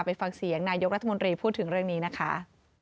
ไปฟังเสียงนายกรัฐมนตรีพูดถึงเรื่องนี้นะคะ